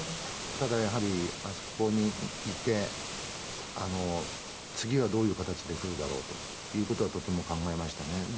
ただ、やはりあそこにいて次がどういう形で来るだろうということはとても考えましたね。